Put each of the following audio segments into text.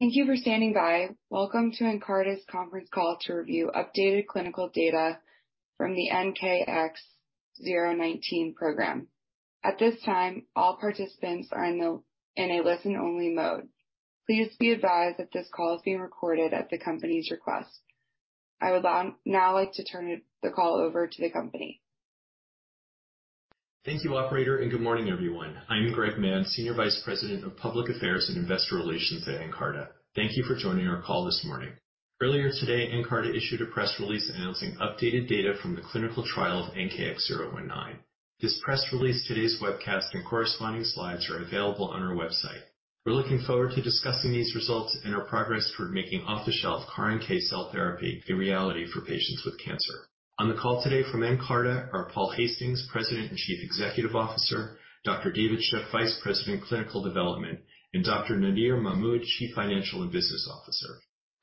Thank you for standing by. Welcome to Nkarta's conference call to review updated clinical data from the NKX019 program. At this time, all participants are in a listen-only mode. Please be advised that this call is being recorded at the company's request. I would now like to turn the call over to the company. Thank you, operator, and good morning, everyone. I'm Kory Hartmann, Senior Vice President of Public Affairs and Investor Relations at Nkarta. Thank you for joining our call this morning. Earlier today, Nkarta issued a press release announcing updated data from the clinical trial of NKX019. This press release, today's webcast, and corresponding slides are available on our website. We're looking forward to discussing these results and our progress toward making off-the-shelf CAR NK cell therapy a reality for patients with cancer. On the call today from Nkarta are Paul Hastings, President and Chief Executive Officer, Dr. David R. Shook, Vice President, Clinical Development, and Dr. Nadir Mahmood, Chief Financial and Business Officer.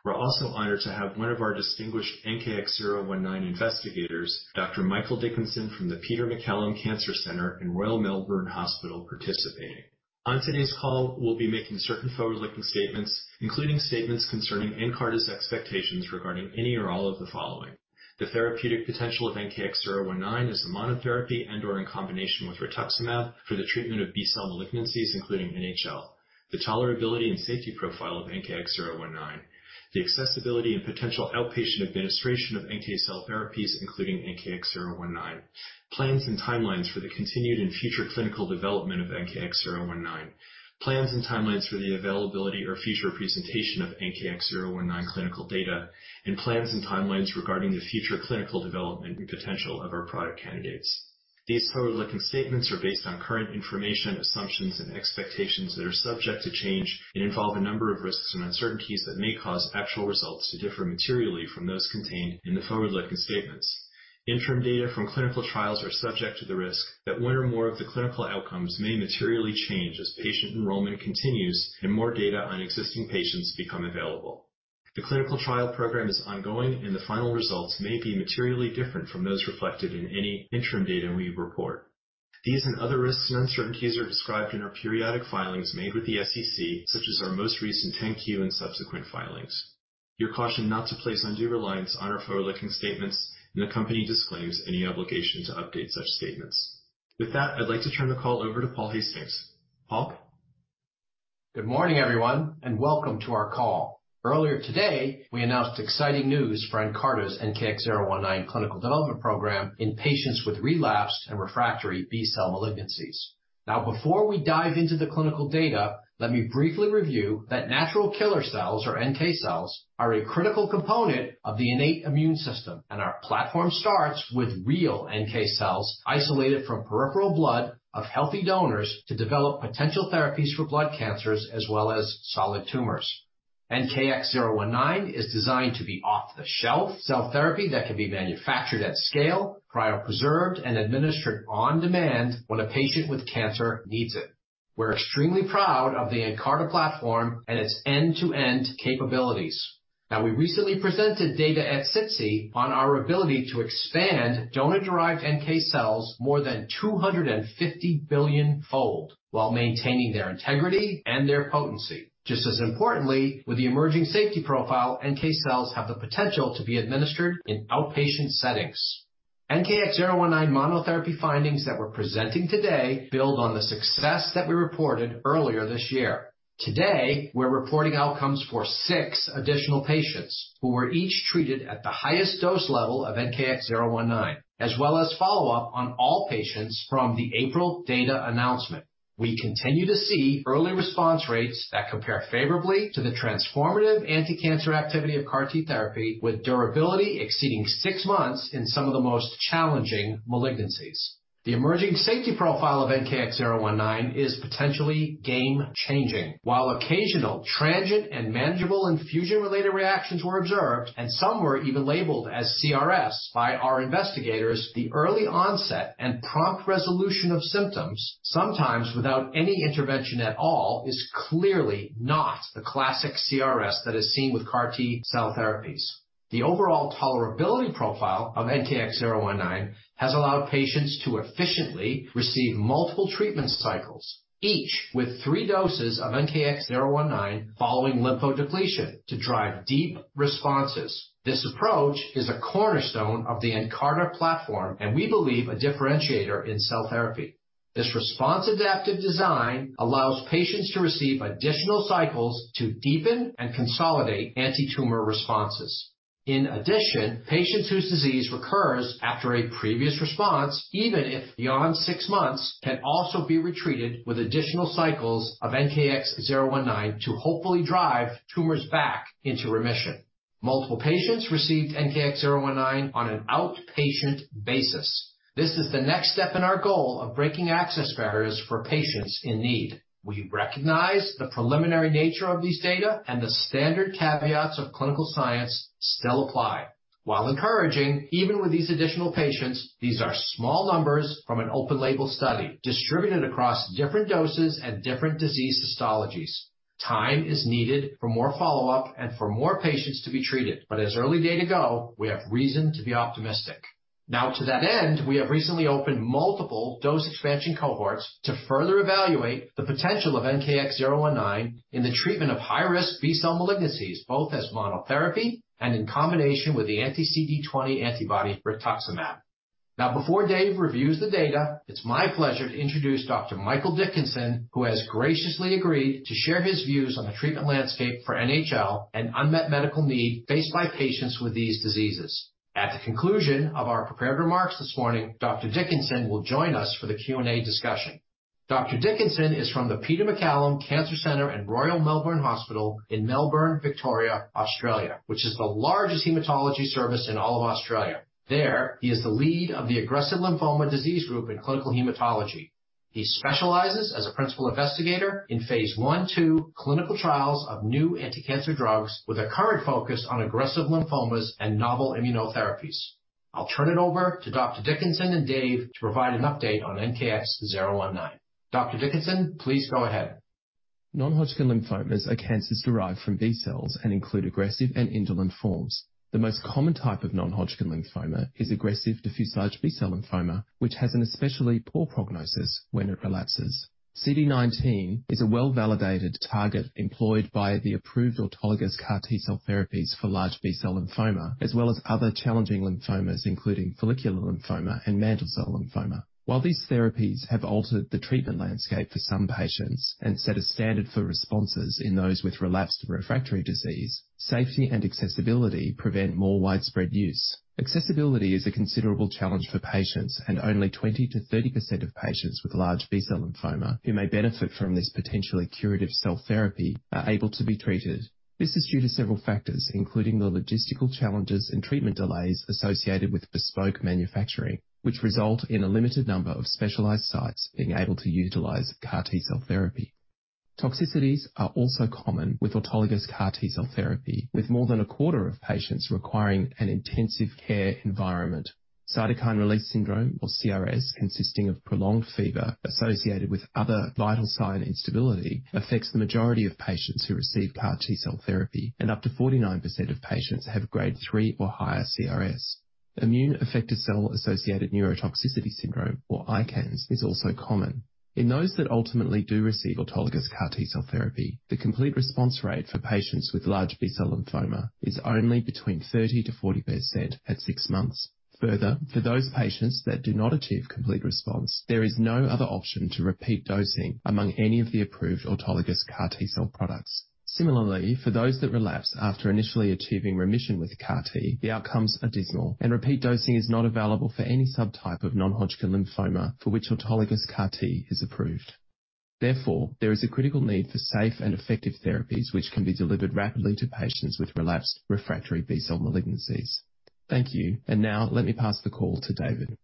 We're also honored to have one of our distinguished NKX019 investigators, Dr. Michael Dickinson from the Peter MacCallum Cancer Centre in The Royal Melbourne Hospital, participating. On today's call, we'll be making certain forward-looking statements, including statements concerning Nkarta's expectations regarding any or all of the following: the therapeutic potential of NKX019 as a monotherapy and/or in combination with rituximab for the treatment of B-cell malignancies, including NHL, the tolerability and safety profile of NKX019, the accessibility and potential outpatient administration of NK cell therapies, including NKX019, plans and timelines for the continued and future clinical development of NKX019, plans and timelines for the availability or future presentation of NKX019 clinical data, and plans and timelines regarding the future clinical development and potential of our product candidates. These forward-looking statements are based on current information, assumptions and expectations that are subject to change and involve a number of risks and uncertainties that may cause actual results to differ materially from those contained in the forward-looking statements. Interim data from clinical trials are subject to the risk that one or more of the clinical outcomes may materially change as patient enrollment continues and more data on existing patients become available. The clinical trial program is ongoing and the final results may be materially different from those reflected in any interim data we report. These and other risks and uncertainties are described in our periodic filings made with the SEC, such as our most recent 10-Q and subsequent filings. You're cautioned not to place undue reliance on our forward-looking statements, and the company disclaims any obligation to update such statements. With that, I'd like to turn the call over to Paul Hastings. Paul. Good morning, everyone, and welcome to our call. Earlier today, we announced exciting news for Nkarta's NKX019 clinical development program in patients with relapsed and refractory B-cell malignancies. Before we dive into the clinical data, let me briefly review that natural killer cells, or NK cells, are a critical component of the innate immune system. Our platform starts with real NK cells isolated from peripheral blood of healthy donors to develop potential therapies for blood cancers as well as solid tumors. NKX019 is designed to be off-the-shelf cell therapy that can be manufactured at scale, cryopreserved, and administered on demand when a patient with cancer needs it. We're extremely proud of the Nkarta platform and its end-to-end capabilities. We recently presented data at SITC on our ability to expand donor-derived NK cells more than 250 billion fold while maintaining their integrity and their potency. Just as importantly, with the emerging safety profile, NK cells have the potential to be administered in outpatient settings. NKX019 monotherapy findings that we're presenting today build on the success that we reported earlier this year. Today, we're reporting outcomes for 6 additional patients who were each treated at the highest dose level of NKX019, as well as follow-up on all patients from the April data announcement. We continue to see early response rates that compare favorably to the transformative anticancer activity of CAR T therapy, with durability exceeding 6 months in some of the most challenging malignancies. The emerging safety profile of NKX019 is potentially game-changing. While occasional transient and manageable infusion-related reactions were observed, and some were even labeled as CRS by our investigators, the early onset and prompt resolution of symptoms, sometimes without any intervention at all, is clearly not the classic CRS that is seen with CAR T cell therapies. The overall tolerability profile of NKX019 has allowed patients to efficiently receive multiple treatment cycles, each with three doses of NKX019 following lymphodepletion to drive deep responses. This approach is a cornerstone of the Nkarta platform and we believe a differentiator in cell therapy. This response adaptive design allows patients to receive additional cycles to deepen and consolidate antitumor responses. In addition, patients whose disease recurs after a previous response, even if beyond six months, can also be retreated with additional cycles of NKX019 to hopefully drive tumors back into remission. Multiple patients received NKX019 on an outpatient basis. This is the next step in our goal of breaking access barriers for patients in need. We recognize the preliminary nature of these data and the standard caveats of clinical science still apply. While encouraging, even with these additional patients, these are small numbers from an open label study distributed across different doses and different disease histologies. Time is needed for more follow-up and for more patients to be treated, but as early data go, we have reason to be optimistic. To that end, we have recently opened multiple dose expansion cohorts to further evaluate the potential of NKX019 in the treatment of high-risk B-cell malignancies, both as monotherapy and in combination with the anti-CD20 antibody rituximab. Before Dave reviews the data, it's my pleasure to introduce Dr. Michael Dickinson, who has graciously agreed to share his views on the treatment landscape for NHL and unmet medical need faced by patients with these diseases. At the conclusion of our prepared remarks this morning, Dr. Dickinson will join us for the Q&A discussion. Dr. Dickinson is from the Peter MacCallum Cancer Centre and The Royal Melbourne Hospital in Melbourne, Victoria, Australia, which is the largest hematology service in all of Australia. There, he is the lead of the Aggressive Lymphoma Disease Group in Clinical Hematology. He specializes as a principal investigator in phase 1/2 clinical trials of new anticancer drugs with a current focus on aggressive lymphomas and novel immunotherapies. I'll turn it over to Dr. Dickinson and Dave to provide an update on NKX019. Dr. Dickinson, please go ahead. Non-Hodgkin lymphomas are cancers derived from B-cells and include aggressive and indolent forms. The most common type of non-Hodgkin lymphoma is aggressive diffuse large B-cell lymphoma, which has an especially poor prognosis when it relapses. CD19 is a well-validated target employed by the approved autologous CAR T-cell therapies for large B-cell lymphoma, as well as other challenging lymphomas including follicular lymphoma and mantle cell lymphoma. While these therapies have altered the treatment landscape for some patients and set a standard for responses in those with relapsed refractory disease, safety and accessibility prevent more widespread use. Accessibility is a considerable challenge for patients, and only 20%-30% of patients with large B-cell lymphoma who may benefit from this potentially curative cell therapy are able to be treated. This is due to several factors, including the logistical challenges and treatment delays associated with bespoke manufacturing, which result in a limited number of specialized sites being able to utilize CAR T-cell therapy. Toxicities are also common with autologous CAR T-cell therapy, with more than a quarter of patients requiring an intensive care environment. Cytokine release syndrome, or CRS, consisting of prolonged fever associated with other vital sign instability, affects the majority of patients who receive CAR T-cell therapy, and up to 49% of patients have grade 3 or higher CRS. Immune effector cell-associated neurotoxicity syndrome, or ICANS, is also common. In those that ultimately do receive autologous CAR T-cell therapy, the complete response rate for patients with large B-cell lymphoma is only between 30%-40% at 6 months. For those patients that do not achieve complete response, there is no other option to repeat dosing among any of the approved autologous CAR T-cell products. Similarly, for those that relapse after initially achieving remission with CAR T, the outcomes are dismal and repeat dosing is not available for any subtype of non-Hodgkin lymphoma for which autologous CAR T is approved. There is a critical need for safe and effective therapies which can be delivered rapidly to patients with relapsed refractory B-cell malignancies. Thank you. Now let me pass the call to David.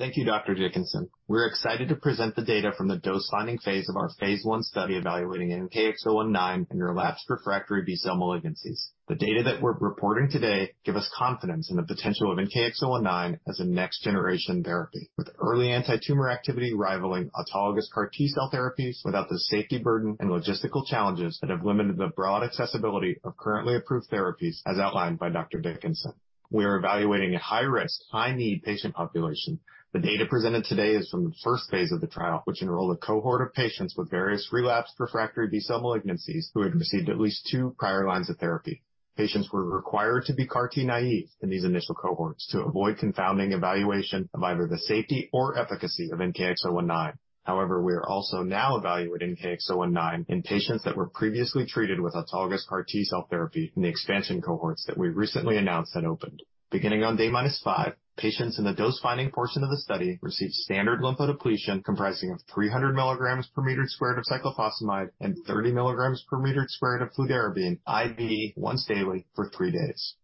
Thank you, Dr. Dickinson. We're excited to present the data from the dose finding phase of our phase 1 study evaluating NKX019 in relapsed refractory B-cell malignancies. The data that we're reporting today give us confidence in the potential of NKX019 as a next generation therapy with early antitumor activity rivaling autologous CAR T-cell therapies without the safety burden and logistical challenges that have limited the broad accessibility of currently approved therapies as outlined by Dr. Dickinson. We are evaluating a high-risk, high-need patient population. The data presented today is from the first phase of the trial, which enrolled a cohort of patients with various relapsed refractory B-cell malignancies who had received at least two prior lines of therapy. Patients were required to be CAR T naive in these initial cohorts to avoid confounding evaluation of either the safety or efficacy of NKX019. We are also now evaluating NKX019 in patients that were previously treated with autologous CAR T-cell therapy in the expansion cohorts that we recently announced had opened. Beginning on day -5, patients in the dose finding portion of the study received standard lymphodepletion comprising of 300 milligrams per meter squared of cyclophosphamide and 30 milligrams per meter squared of fludarabine IV once daily for 3 days.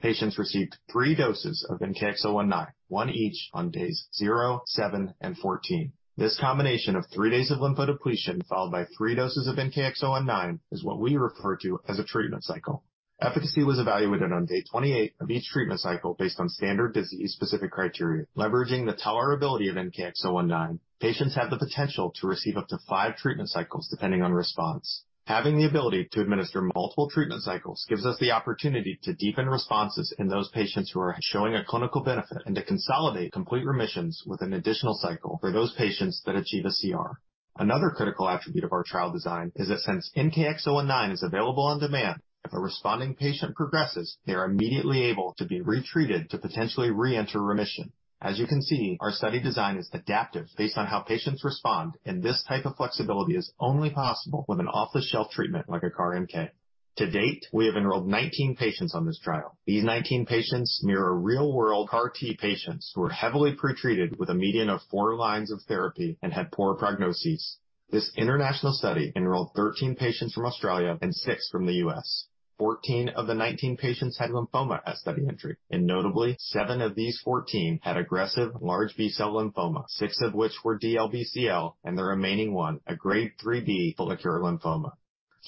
Patients received 3 doses of NKX019, one each on days 0, 7, and 14. This combination of 3 days of lymphodepletion followed by 3 doses of NKX019 is what we refer to as a treatment cycle. Efficacy was evaluated on day 28 of each treatment cycle based on standard disease-specific criteria. Leveraging the tolerability of NKX019, patients have the potential to receive up to 5 treatment cycles depending on response. Having the ability to administer multiple treatment cycles gives us the opportunity to deepen responses in those patients who are showing a clinical benefit and to consolidate complete remissions with an additional cycle for those patients that achieve a CR. Another critical attribute of our trial design is that since NKX019 is available on demand, if a responding patient progresses, they are immediately able to be retreated to potentially reenter remission. As you can see, our study design is adaptive based on how patients respond, and this type of flexibility is only possible with an off-the-shelf treatment like a CAR-NK. To date, we have enrolled 19 patients on this trial. These 19 patients mirror real world CAR T patients who are heavily pretreated with a median of 4 lines of therapy and had poor prognoses. This international study enrolled 13 patients from Australia and 6 from the U.S. 14 of the 19 patients had lymphoma at study entry. Notably, 7 of these 14 had aggressive large B-cell lymphoma, 6 of which were DLBCL, and the remaining 1, a grade 3 B follicular lymphoma.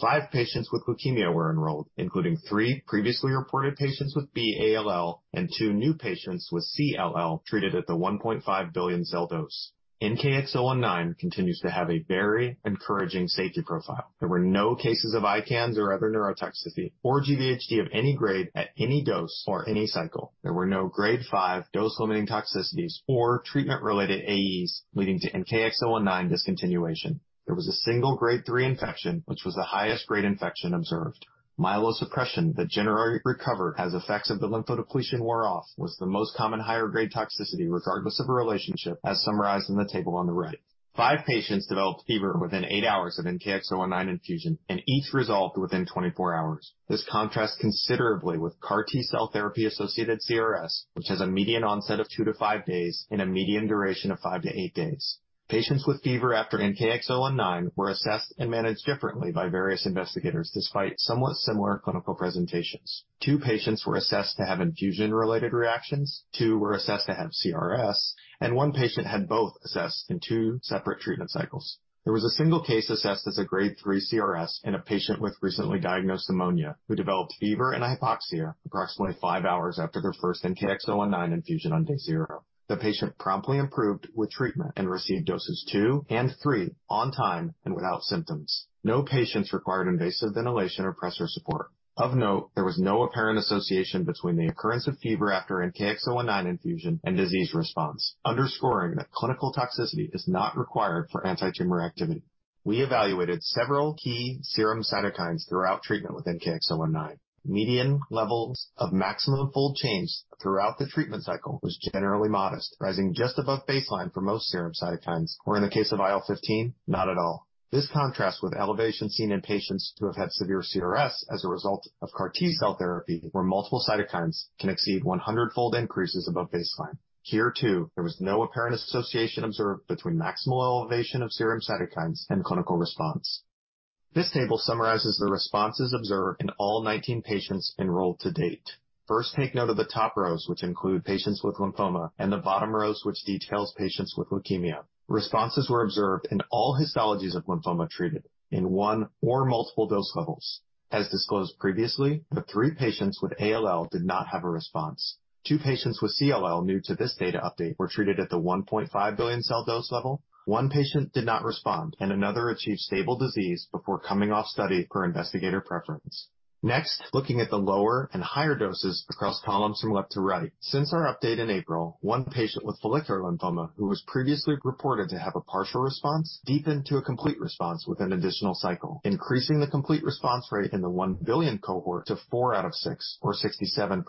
5 patients with leukemia were enrolled, including 3 previously reported patients with B-ALL and 2 new patients with CLL treated at the 1.5 billion cell dose. NKX019 continues to have a very encouraging safety profile. There were no cases of ICANS or other neurotoxicity or GvHD of any grade at any dose or any cycle. There were no grade 5 dose-limiting toxicities or treatment-related AEs leading to NKX019 discontinuation. There was a single grade 3 infection, which was the highest grade infection observed. Myelosuppression that generally recovered as effects of the lymphodepletion wore off was the most common higher grade toxicity, regardless of a relationship, as summarized in the table on the right. 5 patients developed fever within 8 hours of NKX019 infusion, and each resolved within 24 hours. This contrasts considerably with CAR T-cell therapy-associated CRS, which has a median onset of 2-5 days and a median duration of 5-8 days. Patients with fever after NKX019 were assessed and managed differently by various investigators, despite somewhat similar clinical presentations. 2 patients were assessed to have infusion-related reactions, 2 were assessed to have CRS, and 1 patient had both assessed in 2 separate treatment cycles. There was a 1 case assessed as a grade 3 CRS in a patient with recently diagnosed pneumonia, who developed fever and hypoxia approximately 5 hours after her first NKX019 infusion on day 0. The patient promptly improved with treatment and received doses 2 and 3 on time and without symptoms. No patients required invasive ventilation or pressor support. Of note, there was no apparent association between the occurrence of fever after NKX019 infusion and disease response, underscoring that clinical toxicity is not required for antitumor activity. We evaluated several key serum cytokines throughout treatment with NKX019. Median levels of maximum fold change throughout the treatment cycle was generally modest, rising just above baseline for most serum cytokines, or in the case of IL-15, not at all. This contrasts with elevation seen in patients who have had severe CRS as a result of CAR T-cell therapy, where multiple cytokines can exceed 100-fold increases above baseline. Here too, there was no apparent association observed between maximal elevation of serum cytokines and clinical response. This table summarizes the responses observed in all 19 patients enrolled to date. First, take note of the top rows, which include patients with lymphoma, and the bottom rows, which details patients with leukemia. Responses were observed in all histologies of lymphoma treated in 1 or multiple dose levels. As disclosed previously, the 3 patients with ALL did not have a response. 2 patients with CLL new to this data update were treated at the 1.5 billion cell dose level. 1 patient did not respond, another achieved stable disease before coming off study per investigator preference. Looking at the lower and higher doses across columns from left to right. Since our update in April, one patient with follicular lymphoma who was previously reported to have a partial response deepened to a complete response with an additional cycle, increasing the complete response rate in the 1 billion cohort to 4 out of 6, or 67%.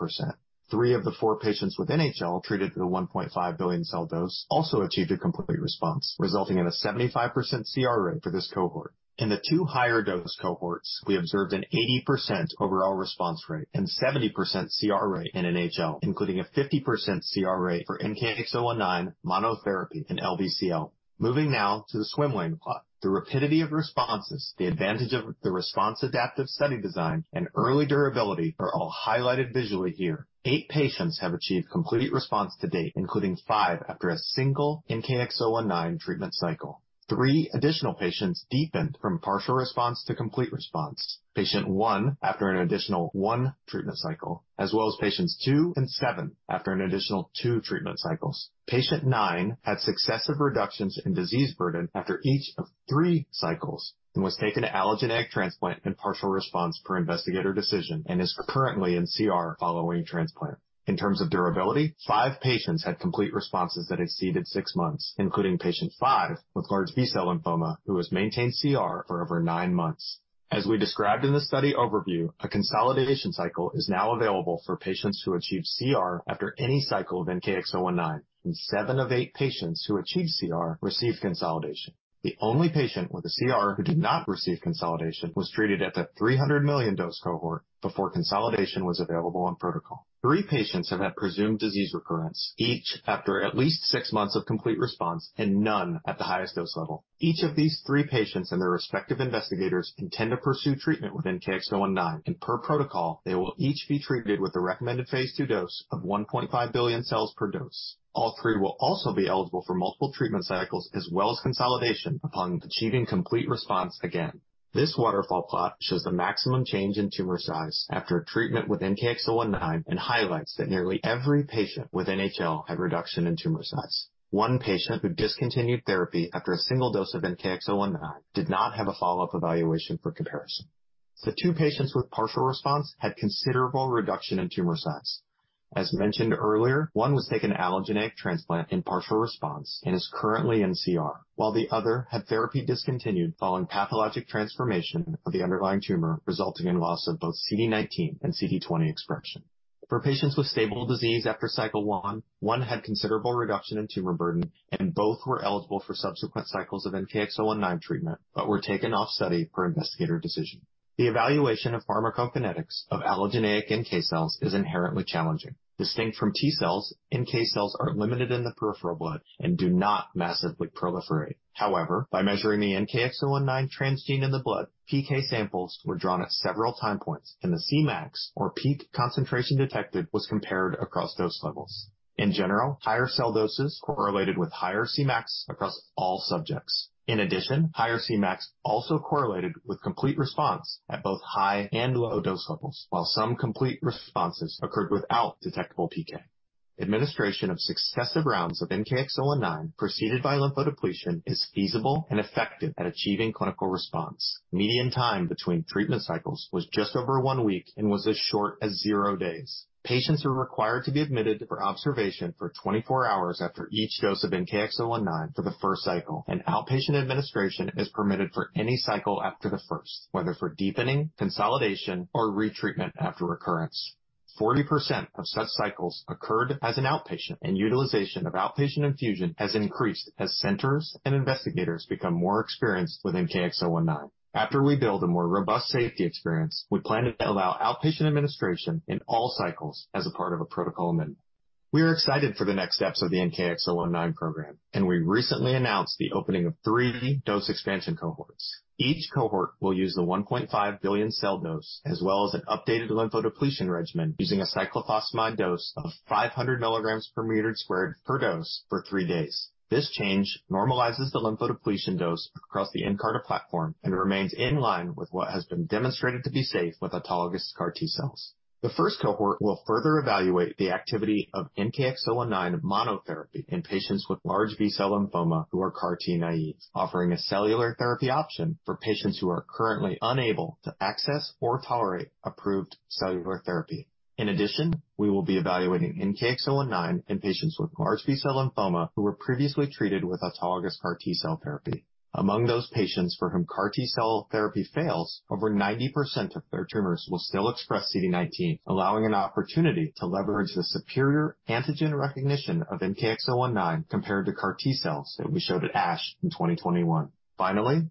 3 of the 4 patients with NHL treated with the 1.5 billion cell dose also achieved a complete response, resulting in a 75% CR rate for this cohort. In the 2 higher dose cohorts, we observed an 80% overall response rate and 70% CR rate in NHL, including a 50% CR rate for NKX019 monotherapy in LBCL. Moving now to the swim lane plot. The rapidity of responses, the advantage of the response adaptive study design, and early durability are all highlighted visually here. 8 patients have achieved complete response to date, including 5 after a single NKX019 treatment cycle. 3 additional patients deepened from partial response to complete response. Patient 1 after an additional 1 treatment cycle, as well as patients 2 and 7 after an additional 2 treatment cycles. Patient 9 had successive reductions in disease burden after each of 3 cycles and was taken to allogeneic transplant and partial response per investigator decision, and is currently in CR following transplant. In terms of durability, 5 patients had complete responses that exceeded 6 months, including patient 5 with large B-cell lymphoma, who has maintained CR for over 9 months. As we described in the study overview, a consolidation cycle is now available for patients who achieve CR after any cycle of NKX019. 7 of 8 patients who achieved CR received consolidation. The only patient with a CR who did not receive consolidation was treated at the 300 million dose cohort before consolidation was available on protocol. 3 patients have had presumed disease recurrence, each after at least 6 months of complete response and none at the highest dose level. Each of these 3 patients and their respective investigators intend to pursue treatment with NKX019. Per protocol, they will each be treated with the recommended phase 2 dose of 1.5 billion cells per dose. All 3 will also be eligible for multiple treatment cycles as well as consolidation upon achieving complete response again. This waterfall plot shows the maximum change in tumor size after treatment with NKX019 and highlights that nearly every patient with NHL had reduction in tumor size. One patient who discontinued therapy after a single dose of NKX019 did not have a follow-up evaluation for comparison. The two patients with partial response had considerable reduction in tumor size. As mentioned earlier, one was taken allogeneic transplant in partial response and is currently in CR, while the other had therapy discontinued following pathologic transformation of the underlying tumor, resulting in loss of both CD19 and CD20 expression. For patients with stable disease after cycle one had considerable reduction in tumor burden, and both were eligible for subsequent cycles of NKX019 treatment but were taken off study per investigator decision. The evaluation of pharmacokinetics of allogeneic NK cells is inherently challenging. Distinct from T cells, NK cells are limited in the peripheral blood and do not massively proliferate. However, by measuring the NKX019 transgene in the blood, PK samples were drawn at several time points, and the Cmax, or peak concentration detected, was compared across dose levels. In general, higher cell doses correlated with higher Cmax across all subjects. In addition, higher Cmax also correlated with complete response at both high and low dose levels, while some complete responses occurred without detectable PK. Administration of successive rounds of NKX019 preceded by lymphodepletion is feasible and effective at achieving clinical response. Median time between treatment cycles was just over one week and was as short as 0 days. Patients are required to be admitted for observation for 24 hours after each dose of NKX019 for the first cycle, and outpatient administration is permitted for any cycle after the first, whether for deepening, consolidation, or retreatment after recurrence. 40% of such cycles occurred as an outpatient. Utilization of outpatient infusion has increased as centers and investigators become more experienced with NKX019. After we build a more robust safety experience, we plan to allow outpatient administration in all cycles as a part of a protocol amendment. We recently announced the opening of 3 dose expansion cohorts. Each cohort will use the 1.5 billion cell dose as well as an updated lymphodepletion regimen using a cyclophosphamide dose of 500 milligrams per meter squared per dose for 3 days. This change normalizes the lymphodepletion dose across the Nkarta platform and remains in line with what has been demonstrated to be safe with autologous CAR T-cells. The first cohort will further evaluate the activity of NKX019 monotherapy in patients with large B-cell lymphoma who are CAR T naive, offering a cellular therapy option for patients who are currently unable to access or tolerate approved cellular therapy. We will be evaluating NKX019 in patients with large B-cell lymphoma who were previously treated with autologous CAR T-cell therapy. Among those patients for whom CAR T-cell therapy fails, over 90% of their tumors will still express CD19, allowing an opportunity to leverage the superior antigen recognition of NKX019 compared to CAR T-cells that we showed at ASH in 2021.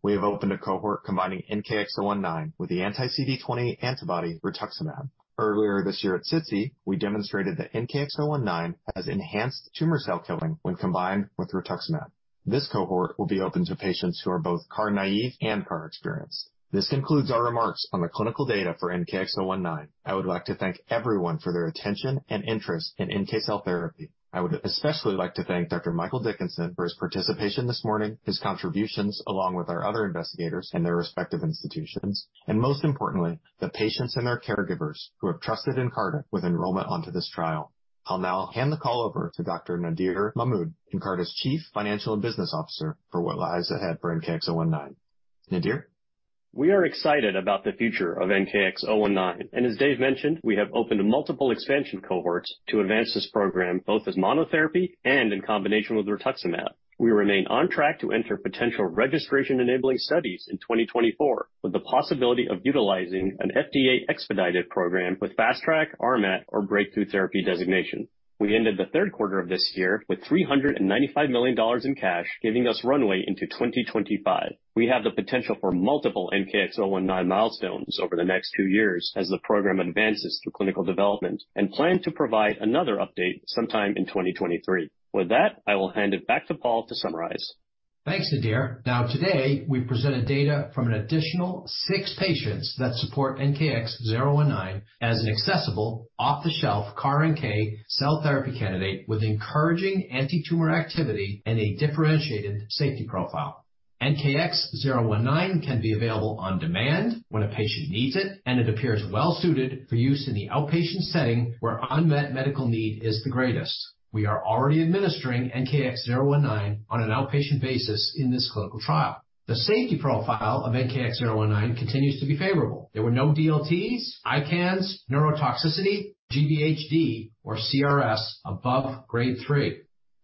We have opened a cohort combining NKX019 with the anti-CD20 antibody rituximab. Earlier this year at SITC, we demonstrated that NKX019 has enhanced tumor cell killing when combined with rituximab. This cohort will be open to patients who are both CAR naive and CAR experienced. This concludes our remarks on the clinical data for NKX019. I would like to thank everyone for their attention and interest in NK cell therapy. I would especially like to thank Dr. Michael Dickinson for his participation this morning, his contributions along with our other investigators and their respective institutions, and most importantly, the patients and their caregivers who have trusted Nkarta with enrollment onto this trial. I'll now hand the call over to Dr. Nadir Mahmood, Nkarta's Chief Financial and Business Officer, for what lies ahead for NKX019. Nadir? We are excited about the future of NKX019. As Dave mentioned, we have opened multiple expansion cohorts to advance this program, both as monotherapy and in combination with rituximab. We remain on track to enter potential registration-enabling studies in 2024, with the possibility of utilizing an FDA expedited program with Fast Track, RMAT, or Breakthrough Therapy designation. We ended the third quarter of this year with $395 million in cash, giving us runway into 2025. We have the potential for multiple NKX019 milestones over the next two years as the program advances through clinical development and plan to provide another update sometime in 2023. With that, I will hand it back to Paul to summarize. Thanks, Nadir. Today, we presented data from an additional 6 patients that support NKX019 as an accessible, off-the-shelf CAR NK cell therapy candidate with encouraging antitumor activity and a differentiated safety profile. NKX019 can be available on demand when a patient needs it. It appears well-suited for use in the outpatient setting where unmet medical need is the greatest. We are already administering NKX019 on an outpatient basis in this clinical trial. The safety profile of NKX019 continues to be favorable. There were no DLTs, ICANS, neurotoxicity, GvHD, or CRS above grade 3.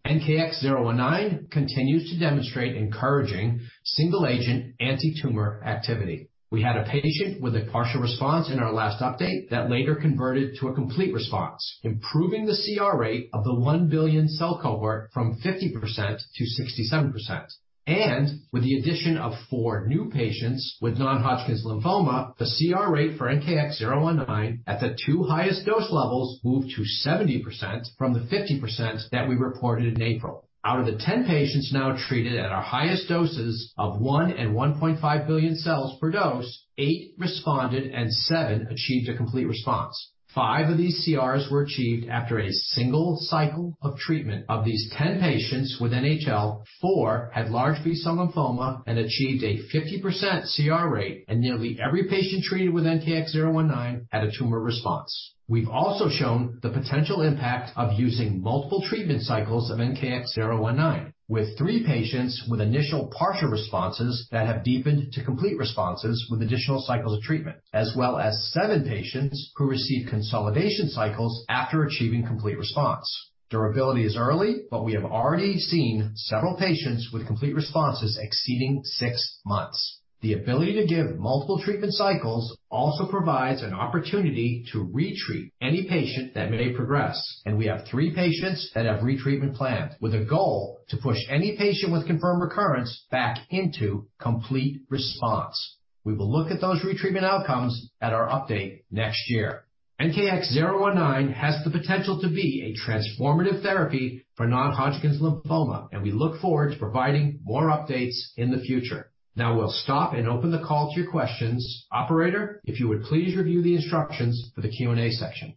NKX019 continues to demonstrate encouraging single-agent antitumor activity. We had a patient with a partial response in our last update that later converted to a complete response, improving the CR rate of the 1 billion cell cohort from 50% to 67%. With the addition of 4 new patients with non-Hodgkin's lymphoma, the CR rate for NKX019 at the 2 highest dose levels moved to 70% from the 50% that we reported in April. Out of the 10 patients now treated at our highest doses of 1 and 1.5 billion cells per dose, 8 responded and 7 achieved a complete response. 5 of these CRs were achieved after a single cycle of treatment. Of these 10 patients with NHL, 4 had large B-cell lymphoma and achieved a 50% CR rate, and nearly every patient treated with NKX019 had a tumor response. We've also shown the potential impact of using multiple treatment cycles of NKX019, with 3 patients with initial partial responses that have deepened to complete responses with additional cycles of treatment, as well as 7 patients who received consolidation cycles after achieving complete response. Durability is early, we have already seen several patients with complete responses exceeding 6 months. The ability to give multiple treatment cycles also provides an opportunity to retreat any patient that may progress, we have 3 patients that have retreatment planned with a goal to push any patient with confirmed recurrence back into complete response. We will look at those retreatment outcomes at our update next year. NKX019 has the potential to be a transformative therapy for non-Hodgkin's lymphoma, we look forward to providing more updates in the future. Now we'll stop and open the call to your questions. Operator, if you would please review the instructions for the Q&A section.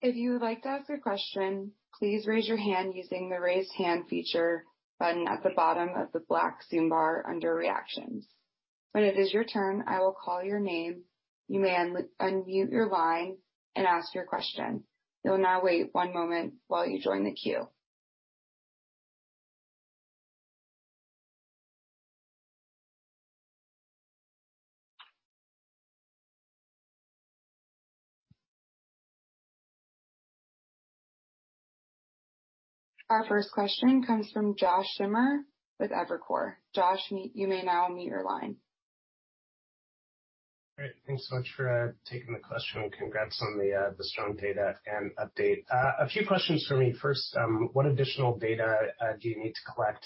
If you would like to ask a question, please raise your hand using the Raise Hand feature button at the bottom of the black Zoom bar under Reactions. When it is your turn, I will call your name. You may unmute your line and ask your question. You'll now wait one moment while you join the queue. Our first question comes from Josh Schimmer with Evercore. Josh, you may now unmute your line. Great. Thanks so much for taking the question, congrats on the strong data and update. A few questions for me. First, what additional data do you need to collect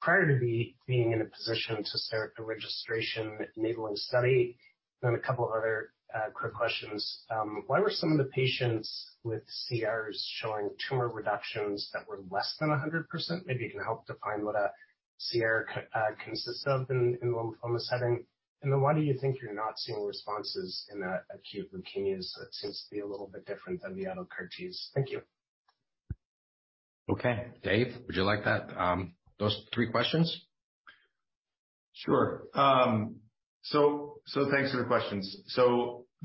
prior to being in a position to start the registration enabling study? A couple of other quick questions. Why were some of the patients with CRs showing tumor reductions that were less than 100%? Maybe you can help define what a CR consists of in the lymphoma setting. Why do you think you're not seeing responses in the acute leukemias? That seems to be a little bit different than the other CAR T. Thank you. Okay, Dave, would you like that, those three questions? Sure. Thanks for the questions.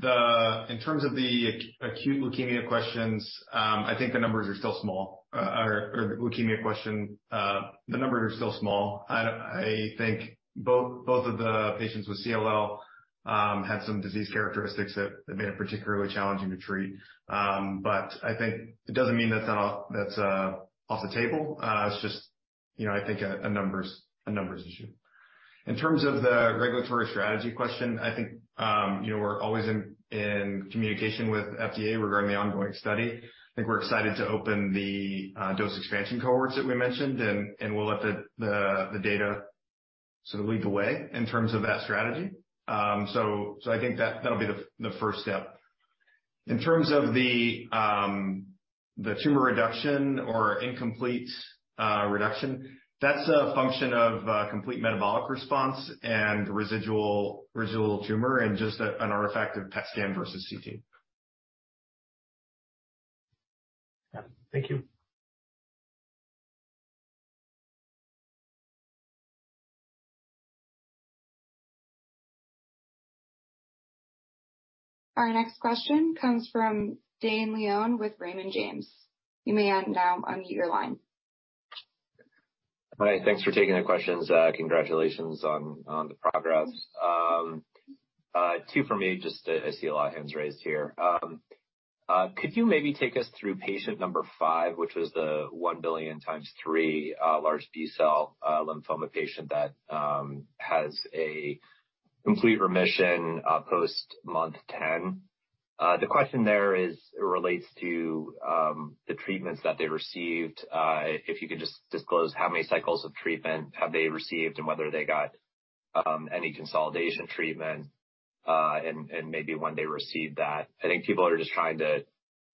In terms of the acute leukemia questions, I think the numbers are still small. The leukemia question, the numbers are still small. I think both of the patients with CLL had some disease characteristics that made it particularly challenging to treat. I think it doesn't mean that's not, that's off the table. It's just, you know, I think a numbers issue. In terms of the regulatory strategy question, I think, you know, we're always in communication with FDA regarding the ongoing study. I think we're excited to open the dose expansion cohorts that we mentioned, and we'll let the data sort of lead the way in terms of that strategy. I think that'll be the first step. In terms of the tumor reduction or incomplete reduction, that's a function of complete metabolic response and residual tumor and just an artifact of PET scan versus CT. Yeah. Thank you. Our next question comes from Dane Leone with Raymond James. You may now unmute your line. Hi. Thanks for taking the questions. Congratulations on the progress. Two for me, just, I see a lot of hands raised here. Could you maybe take us through patient 5, which was the 1 billion times 3, large B-cell lymphoma patient that has a complete remission post month 10? The question there is relates to the treatments that they received. If you could just disclose how many cycles of treatment have they received and whether they got any consolidation treatment and maybe when they received that. I think people are just trying to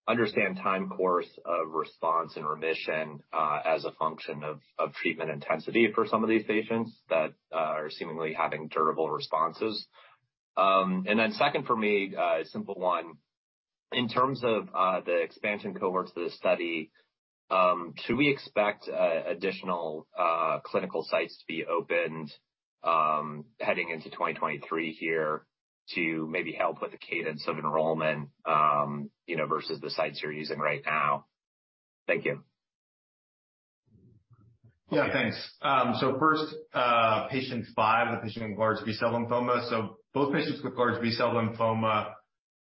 understand time course of response and remission as a function of treatment intensity for some of these patients that are seemingly having durable responses. Second for me, a simple one. In terms of, the expansion cohorts of the study, should we expect, additional, clinical sites to be opened, heading into 2023 here to maybe help with the cadence of enrollment, you know, versus the sites you're using right now? Thank you. Yeah, thanks. First, patient 5, the patient with large B-cell lymphoma. Both patients with large B-cell lymphoma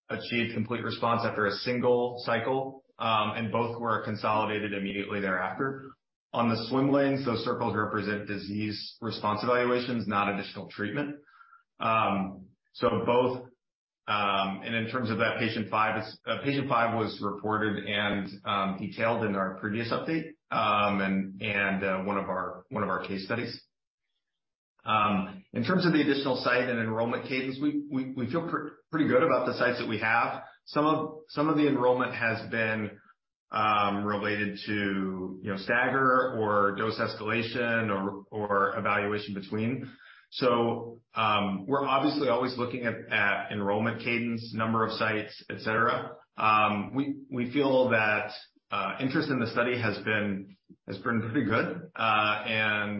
achieved complete response after a single cycle, and both were consolidated immediately thereafter. On the swim lanes, those circles represent disease response evaluations, not additional treatment. Both, in terms of that patient 5, patient 5 was reported and detailed in our previous update, and one of our case studies. In terms of the additional site and enrollment cadence, we feel pretty good about the sites that we have. Some of the enrollment has been related to, you know, stagger or dose escalation or evaluation between. We're obviously always looking at enrollment cadence, number of sites, et cetera. We feel that interest in the study has been pretty good. I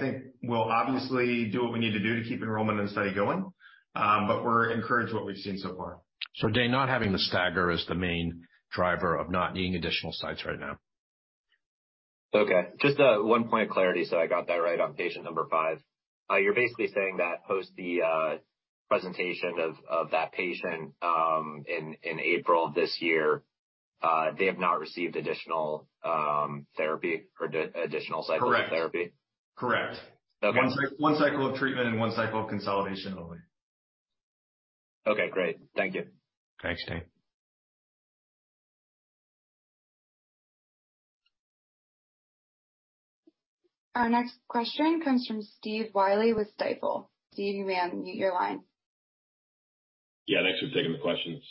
think we'll obviously do what we need to do to keep enrollment in the study going. We're encouraged what we've seen so far. Dane, not having the stagger is the main driver of not needing additional sites right now. Okay. Just one point of clarity, so I got that right on patient number 5. You're basically saying that post the presentation of that patient, in April of this year, they have not received additional therapy or additional cycles... Correct. of therapy? Correct. Okay. One cycle of treatment and one cycle of consolidation only. Okay, great. Thank you. Thanks, Dane. Our next question comes from Stephen Willey with Stifel. Steve, you may unmute your line. Yeah, thanks for taking the questions.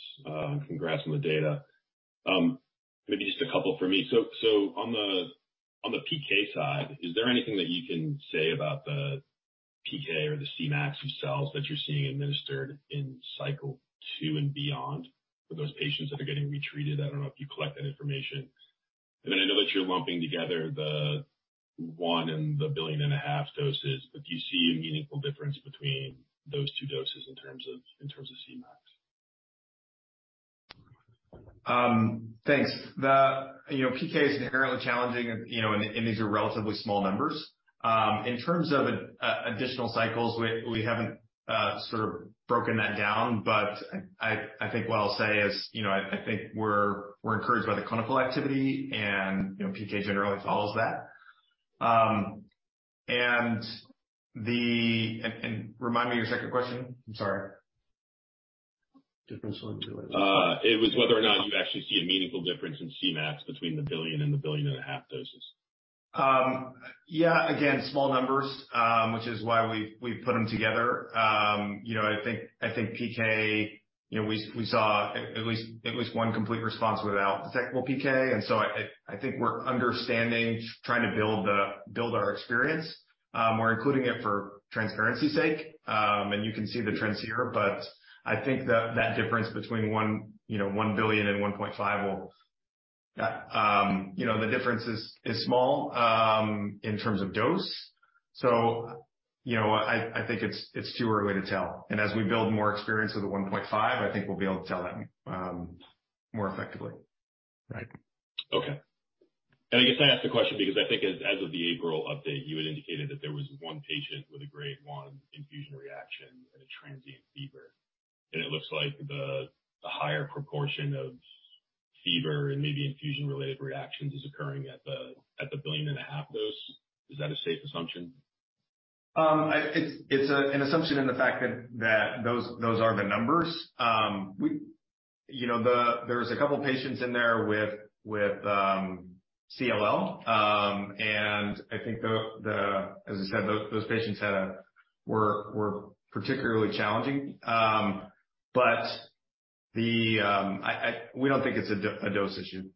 Congrats on the data. Maybe just a couple for me. On the PK side, is there anything that you can say about the. PK or the Cmax of cells that you're seeing administered in cycle 2 and beyond for those patients that are getting retreated. I don't know if you collect that information. I know that you're lumping together the 1 billion and the 1.5 billion doses, but do you see a meaningful difference between those two doses in terms of Cmax? Thanks. The, you know, PK is inherently challenging, you know, and these are relatively small numbers. In terms of additional cycles, we haven't sort of broken that down, but I think what I'll say is, you know, I think we're encouraged by the clinical activity and, you know, PK generally follows that. Remind me your second question. I'm sorry. it was whether or not you actually see a meaningful difference in Cmax between the 1 billion and the 1.5 billion doses. Yeah. Again, small numbers, which is why we put them together. You know, I think PK, you know, we saw at least one complete response without detectable PK. I think we're understanding, trying to build our experience. We're including it for transparency's sake. You can see the trends here, but I think that difference between one, you know, 1 billion and 1.5 will, you know, the difference is small in terms of dose. You know, I think it's too early to tell. As we build more experience with the 1.5, I think we'll be able to tell that more effectively. Right. Okay. I guess I asked the question because I think as of the April update, you had indicated that there was one patient with a grade one infusion reaction and a transient fever. It looks like the higher proportion of fever and maybe infusion-related reactions is occurring at the, at the 1.5 billion dose. Is that a safe assumption? It's an assumption in the fact that those are the numbers. You know, there's a couple patients in there with CLL. I think, as I said, those patients were particularly challenging. I don't think it's a dose issue.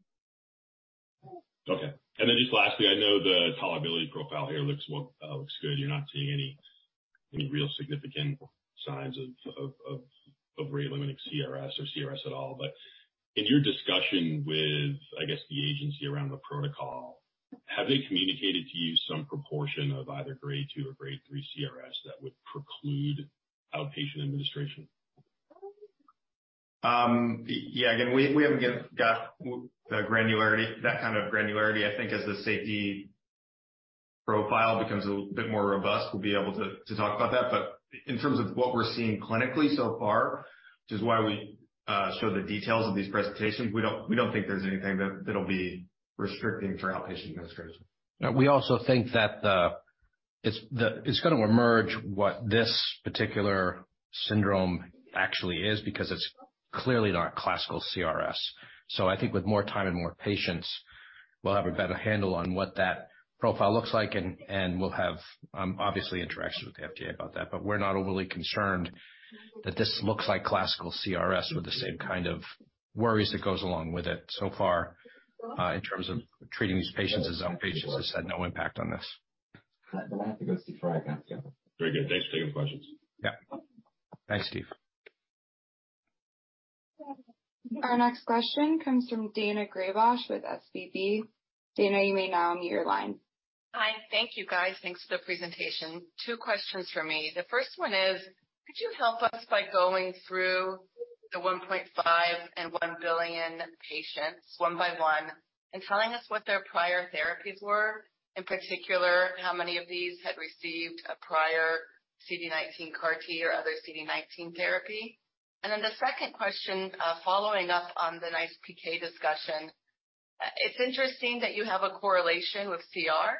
Just lastly, I know the tolerability profile here looks good. You're not seeing any real significant signs of grade limiting CRS or CRS at all. But in your discussion with, I guess, the agency around the protocol, have they communicated to you some proportion of either grade two or grade three CRS that would preclude outpatient administration? Yeah. Again, we haven't yet got the granularity, that kind of granularity. I think as the safety profile becomes a bit more robust, we'll be able to talk about that. In terms of what we're seeing clinically so far, which is why we show the details of these presentations, we don't think there's anything that'll be restricting for outpatient administration. Yeah. We also think that it's gonna emerge what this particular syndrome actually is, because it's clearly not classical CRS. I think with more time and more patients, we'll have a better handle on what that profile looks like, and we'll have obviously interactions with the FDA about that. We're not overly concerned that this looks like classical CRS with the same kind of worries that goes along with it so far in terms of treating these patients as outpatients has had no impact on this. I have to go Steve Willey next, yeah. Very good. Thanks. Taking questions. Yeah. Thanks, Steve. Our next question comes from Daina Graybosch with Leerink Partners. Daina, you may now unmute your line. Hi. Thank you, guys. Thanks for the presentation. 2 questions from me. The first one is, could you help us by going through the 1.5 and 1 billion patients one by one and telling us what their prior therapies were? In particular, how many of these had received a prior CD19 CAR T or other CD19 therapy? The second question, following up on the nice PK discussion. It's interesting that you have a correlation with CR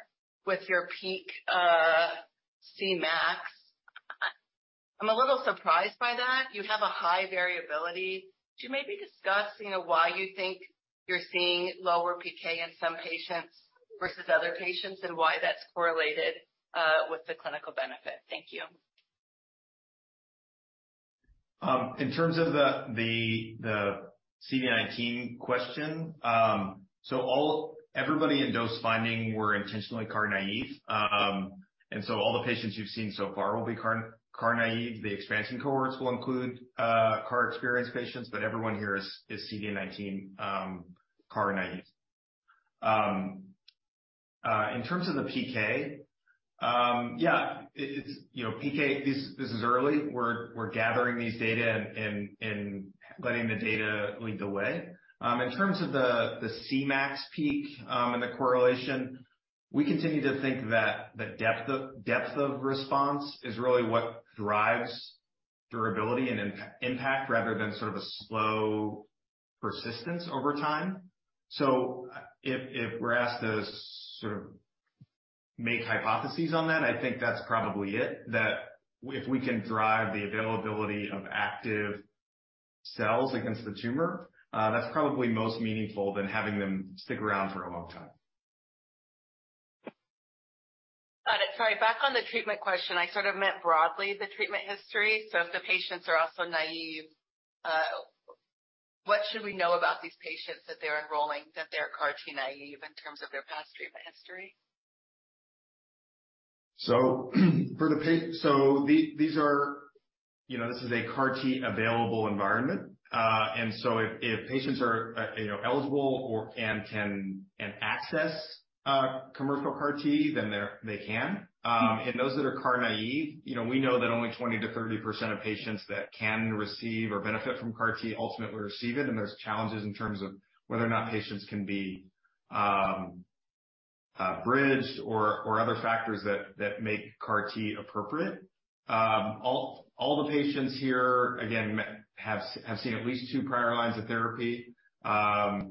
with your peak Cmax. I'm a little surprised by that. You have a high variability. Could you maybe discuss, you know, why you think you're seeing lower PK in some patients versus other patients and why that's correlated with the clinical benefit? Thank you. In terms of the CD19 question, everybody in dose finding were intentionally CAR naive. All the patients you've seen so far will be CAR naive. The expansion cohorts will include CAR experienced patients, but everyone here is CD19 CAR naive. In terms of the PK, yeah, it's, you know, PK, this is early. We're gathering these data and letting the data lead the way. In terms of the Cmax peak and the correlation, we continue to think that the depth of response is really what drives durability and impact rather than sort of a slow persistence over time. If we're asked to sort of make hypotheses on that, I think that's probably it. If we can drive the availability of active cells against the tumor, that's probably most meaningful than having them stick around for a long time. Got it. Sorry. Back on the treatment question. I sort of meant broadly the treatment history, so if the patients are also naive. What should we know about these patients that they're enrolling, that they're CAR T naive in terms of their past treatment history? These are, you know, this is a CAR T available environment. If patients are, you know, eligible or, and can, and access commercial CAR T, then they're, they can. Those that are CAR naive, you know, we know that only 20%-30% of patients that can receive or benefit from CAR T ultimately receive it, and there's challenges in terms of whether or not patients can be bridged or other factors that make CAR T appropriate. All the patients here, again, have seen at least two prior lines of therapy. Yeah,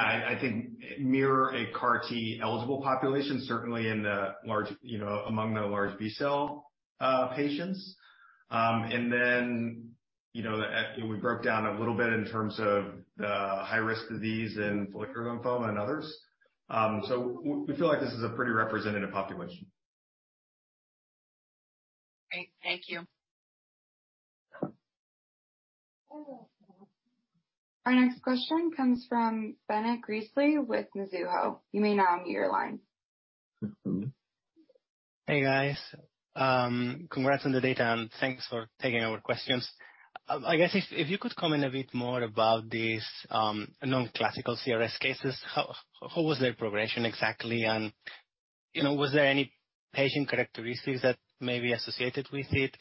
I think mirror a CAR T eligible population, certainly in the large, you know, among the large B-cell patients. We broke down a little bit in terms of the high-risk disease and follicular lymphoma and others. We feel like this is a pretty representative population. Great. Thank you. Our next question comes from Bennett Greasley with Mizuho. You may now unmute your line. Hey, guys. Congrats on the data, thanks for taking our questions. I guess if you could comment a bit more about these non-classical CRS cases. How was their progression exactly? You know, was there any patient characteristics that may be associated with it?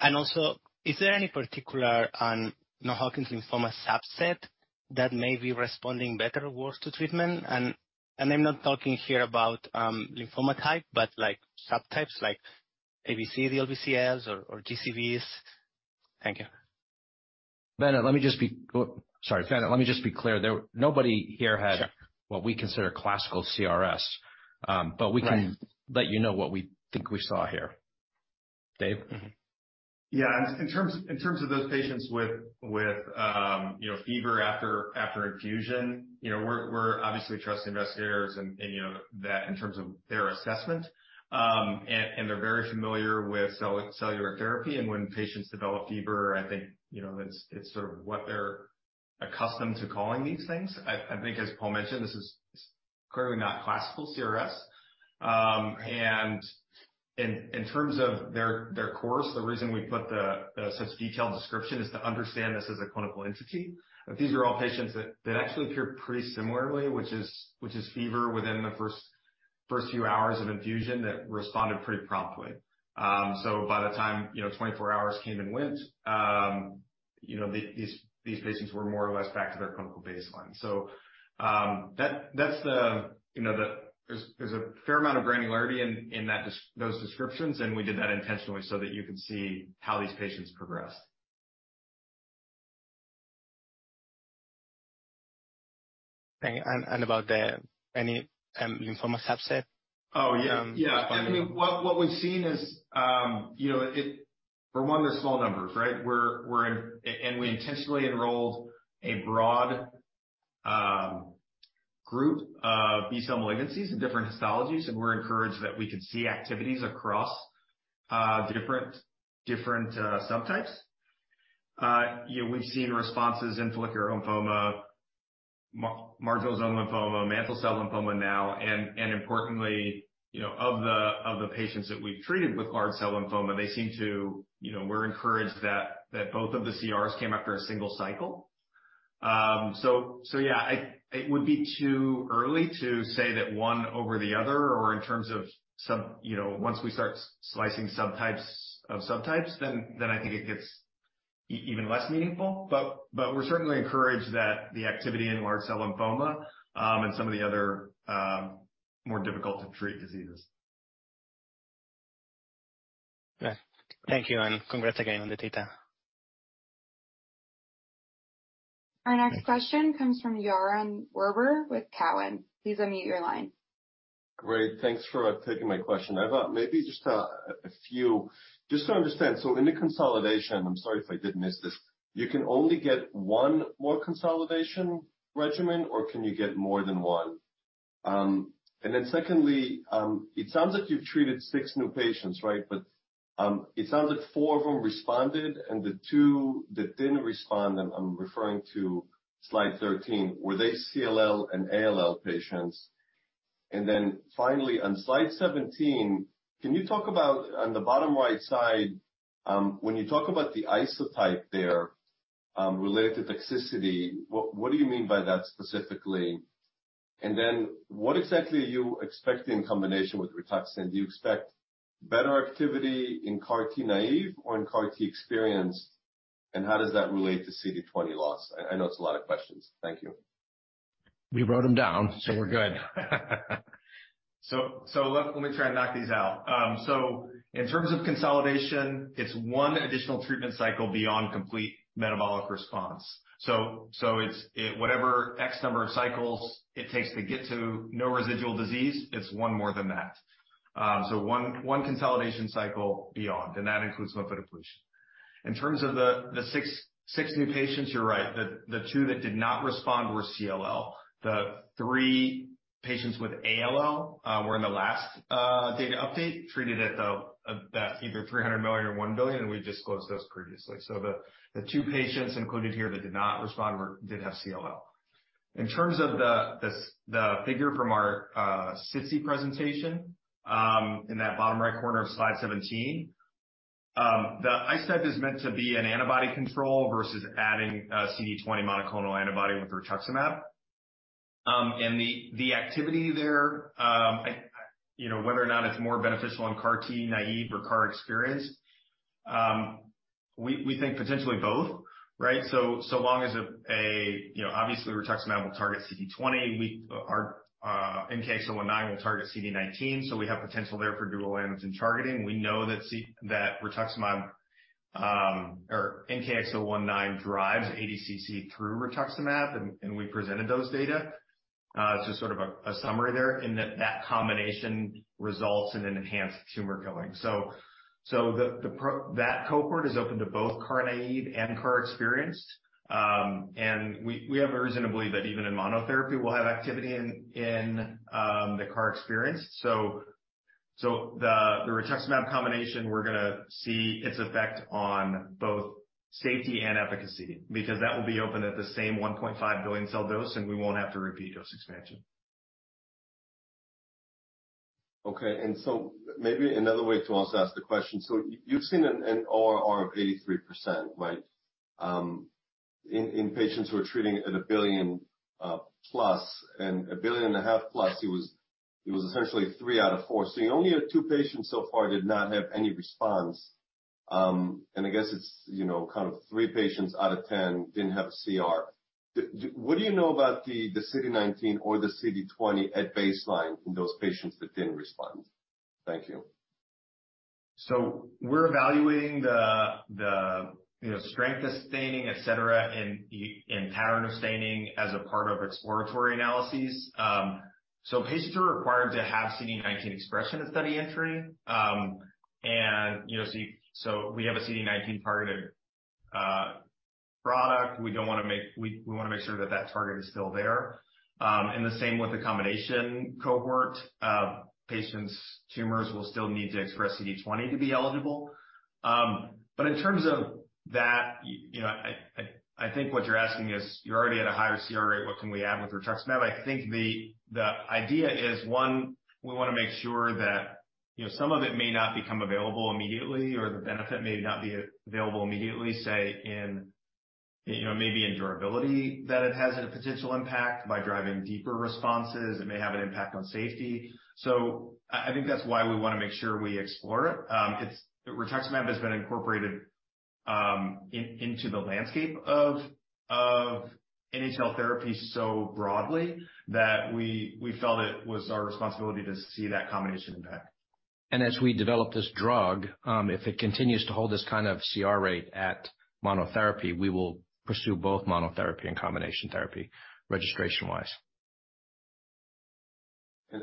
Also, is there any particular Hodgkin's lymphoma subset that may be responding better or worse to treatment? I'm not talking here about lymphoma type, but like subtypes like ABC, the LBCLs or GCB. Thank you. Sorry. Bennett, let me just be clear there. Nobody here. Sure. what we consider classical CRS but we let you know what we think we saw here. Dave? Yeah. In terms of those patients with, you know, fever after infusion, you know, we're obviously trusting investigators and you know that in terms of their assessment. They're very familiar with cell-cellular therapy. When patients develop fever, I think, you know, it's sort of what they're accustomed to calling these things. I think as Paul mentioned, this is clearly not classical CRS. In terms of their course, the reason we put the such detailed description is to understand this as a clinical entity. These are all patients that actually appear pretty similarly, which is fever within the first few hours of infusion that responded pretty promptly. By the time, you know, 24 hours came and went, you know, these patients were more or less back to their clinical baseline. That's the, you know, There's a fair amount of granularity in that those descriptions, and we did that intentionally so that you can see how these patients progressed. Okay. About the any lymphoma subset? Oh, yeah. Yeah. I mean, what we've seen is, you know, it. For one, they're small numbers, right? We're in. We intentionally enrolled a broad group of B-cell malignancies and different histologies, and we're encouraged that we could see activities across different subtypes. You know, we've seen responses in follicular lymphoma, marginal zone lymphoma, mantle cell lymphoma now. Importantly, you know, of the patients that we've treated with large cell lymphoma, they seem to, you know, we're encouraged that both of the CRS came after a single cycle. Yeah. It would be too early to say that one over the other or in terms of sub. You know, once we start slicing subtypes of subtypes, then I think it gets even less meaningful. We're certainly encouraged that the activity in large cell lymphoma, and some of the other, more difficult to treat diseases. Okay. Thank you, and congrats again on the data. Our next question comes from Yaron Werber with Cowen. Please unmute your line. Great. Thanks for taking my question. I've maybe just a few just to understand. In the consolidation, I'm sorry if I did miss this. You can only get 1 more consolidation regimen, or can you get more than 1? Secondly, it sounds like you've treated 6 new patients, right? It sounds like 4 of them responded and the 2 that didn't respond, I'm referring to slide 13, were they CLL and ALL patients? Finally, on slide 17, can you talk about on the bottom right side, when you talk about the isotype there, related to toxicity, what do you mean by that specifically? What exactly are you expecting in combination with Rituximab? Do you expect better activity in CAR T naive or in CAR T experienced, and how does that relate to CD20 loss? I know it's a lot of questions. Thank you. We wrote them down, so we're good. Let me try and knock these out. In terms of consolidation, it's one additional treatment cycle beyond complete metabolic response. It's whatever X number of cycles it takes to get to no residual disease, it's one more than that. One consolidation cycle beyond, and that includes lymphodepletion. In terms of the 6 new patients, you're right. The 2 that did not respond were CLL. The 3 patients with ALL were in the last data update, treated at either 300 million or 1 billion, and we've disclosed those previously. The 2 patients included here that did not respond did have CLL. In terms of the figure from our SITC presentation, in that bottom right corner of slide 17, the iCEP is meant to be an antibody control versus adding a CD20 monoclonal antibody with rituximab. The activity there, you know, whether or not it's more beneficial in CAR T naive or CAR experienced, we think potentially both, right? So long as a, you know, obviously rituximab will target CD20. Our NKX019 will target CD19, so we have potential there for dual antigen targeting. We know that rituximab, or NKX019 drives ADCC through rituximab, and we presented those data. It's just sort of a summary there in that combination results in an enhanced tumor killing. That cohort is open to both CAR naive and CAR experienced. We have a reason to believe that even in monotherapy we'll have activity in the CAR experienced. The rituximab combination, we're gonna see its effect on both safety and efficacy because that will be open at the same 1.5 billion cell dose and we won't have to repeat dose expansion. Okay. maybe another way to also ask the question. you've seen an ORR of 83%, right? in patients who are treating at $1 billion plus and $1.5 billion plus, it was essentially 3 out of 4. you only had 2 patients so far did not have any response, and I guess it's, you know, kind of 3 patients out of 10 didn't have CR. What do you know about the CD19 or the CD20 at baseline in those patients that didn't respond? Thank you. We're evaluating the, you know, strength of staining, et cetera, and pattern of staining as a part of exploratory analyses. Patients are required to have CD19 expression at study entry, and, you know, We have a CD19 targeted product. We wanna make sure that that target is still there. The same with the combination cohort. Patients' tumors will still need to express CD20 to be eligible. In terms of that, you know, I think what you're asking is, you're already at a higher CR rate, what can we add with rituximab? I think the idea is, one, we wanna make sure that, you know, some of it may not become available immediately or the benefit may not be available immediately, say in, you know, maybe in durability that it has a potential impact by driving deeper responses. It may have an impact on safety. I think that's why we wanna make sure we explore it. It's... Rituximab has been incorporated into the landscape of NHL therapy so broadly that we felt it was our responsibility to see that combination impact. As we develop this drug, if it continues to hold this kind of CR rate at monotherapy, we will pursue both monotherapy and combination therapy registration-wise. Do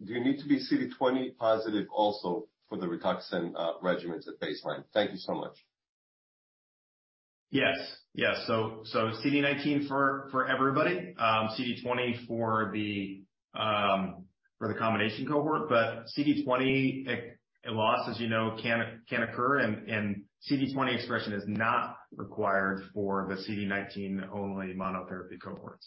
you need to be CD20 positive also for the Rituxan regimens at baseline? Thank you so much. Yes. Yes. CD19 for everybody. CD20 for the combination cohort. CD20 loss, as you know, can occur and CD20 expression is not required for the CD19 only monotherapy cohorts.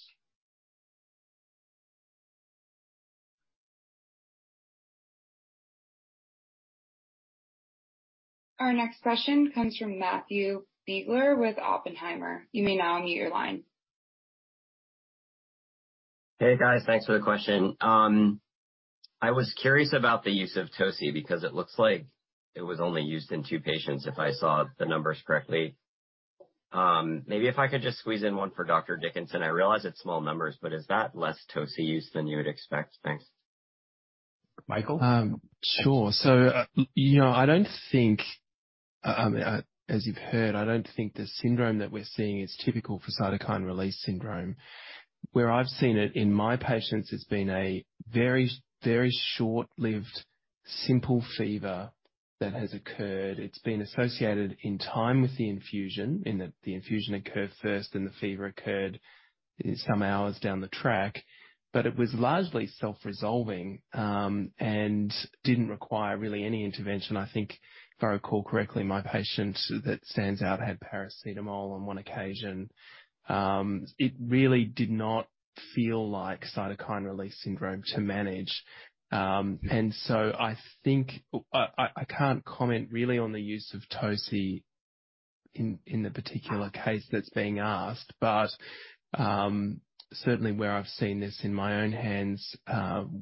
Our next question comes from Matthew Biegler with Oppenheimer. You may now unmute your line. Hey, guys. Thanks for the question. I was curious about the use of Tocilizumab because it looks like it was only used in 2 patients if I saw the numbers correctly. Maybe if I could just squeeze in one for Dr. Dickinson. I realize it's small numbers, but is that less Tocilizumab use than you would expect? Thanks. Michael? Sure. You know, I don't think, as you've heard, I don't think the syndrome that we're seeing is typical for cytokine release syndrome. Where I've seen it in my patients, it's been a very, very short-lived simple fever that has occurred. It's been associated in time with the infusion, in that the infusion occurred first and the fever occurred some hours down the track, but it was largely self-resolving, and didn't require really any intervention. I think if I recall correctly, my patient that stands out had paracetamol on 1 occasion. It really did not feel like cytokine release syndrome to manage. I think... I can't comment really on the use of Tocilizumab in the particular case that's being asked, but certainly where I've seen this in my own hands,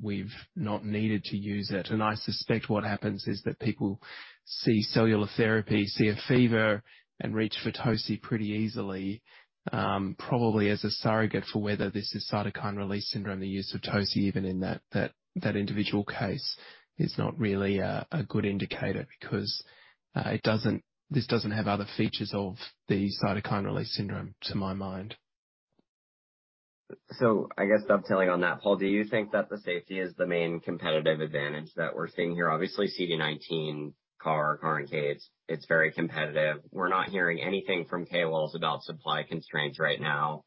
we've not needed to use it. I suspect what happens is that people see cellular therapy, see a fever, and reach for Tocilizumab pretty easily, probably as a surrogate for whether this is cytokine release syndrome. The use of Tocilizumab even in that individual case is not really a good indicator because this doesn't have other features of the cytokine release syndrome to my mind. I guess dovetailing on that, Paul, do you think that the safety is the main competitive advantage that we're seeing here? Obviously CD19 CAR NK, it's very competitive. We're not hearing anything from KLS about supply constraints right now,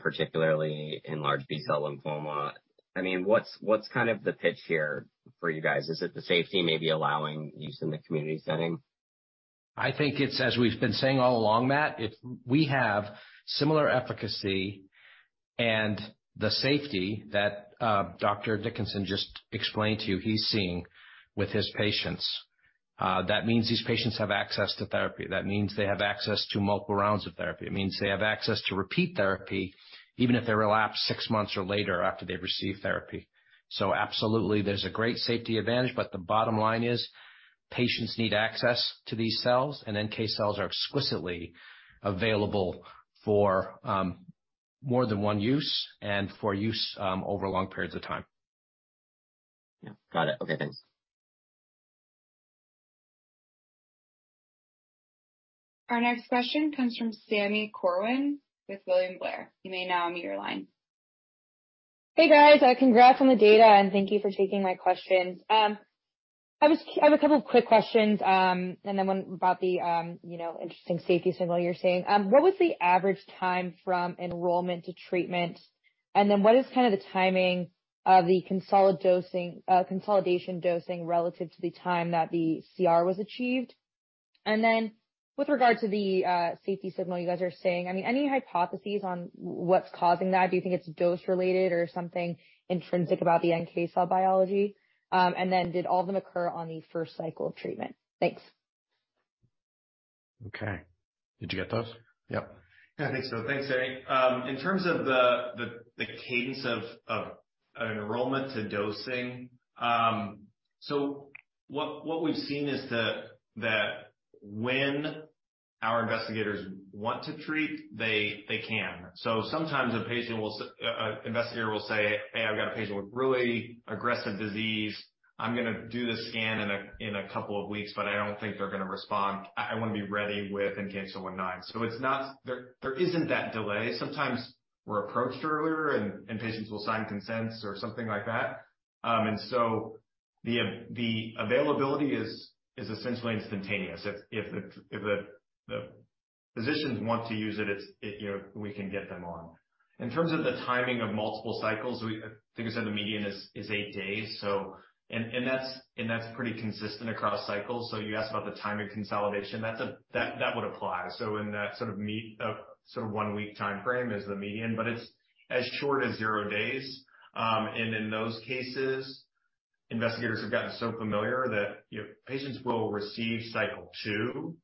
particularly in large B-cell lymphoma. I mean, what's kind of the pitch here for you guys? Is it the safety maybe allowing use in the community setting? I think it's as we've been saying all along, Matt, if we have similar efficacy and the safety that Dr. Dickinson just explained to you he's seeing with his patients, that means these patients have access to therapy. That means they have access to multiple rounds of therapy. It means they have access to repeat therapy even if they relapse six months or later after they've received therapy. Absolutely, there's a great safety advantage, but the bottom line is patients need access to these cells, and NK cells are exquisitely available for more than one use and for use over long periods of time. Yeah. Got it. Okay, thanks. Our next question comes from Sami Corwin with William Blair. You may now unmute your line. Hey, guys. Congrats on the data, and thank you for taking my questions. I have a couple of quick questions, and then one about the, you know, interesting safety signal you're seeing. What was the average time from enrollment to treatment? What is kinda the timing of the consolidation dosing relative to the time that the CR was achieved? With regard to the safety signal you guys are seeing, I mean, any hypotheses on what's causing that? Do you think it's dose-related or something intrinsic about the NK cell biology? Did all of them occur on the first cycle of treatment? Thanks. Okay. Did you get those? Yep. I think so. Thanks, Sami. In terms of the cadence of enrollment to dosing, that when our investigators want to treat, they can. Sometimes a patient will a investigator will say, "Hey, I've got a patient with really aggressive disease. I'm gonna do this scan in a couple of weeks, but I don't think they're gonna respond. I wanna be ready with NK one-seven-nine." There isn't that delay. Sometimes we're approached earlier and patients will sign consents or something like that. The availability is essentially instantaneous. If the physicians want to use it's, you know, we can get them on. In terms of the timing of multiple cycles. I think I said the median is 8 days. That's pretty consistent across cycles. You asked about the timing consolidation, that would apply. In that sort of 1-week timeframe is the median, but it's as short as 0 days. In those cases, investigators have gotten so familiar that, you know, patients will receive cycle 2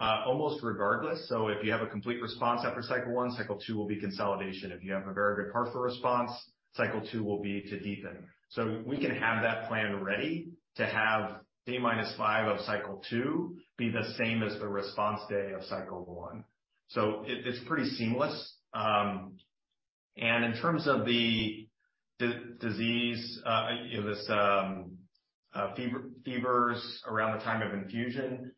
almost regardless. If you have a complete response after cycle 1, cycle 2 will be consolidation. If you have a very good partial response, cycle 2 will be to deepen. We can have that plan ready to have T minus 5 of cycle 2 be the same as the response day of cycle 1. It's pretty seamless. In terms of the disease, this fevers around the time of infusion,